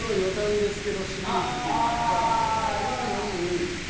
いいいいいい。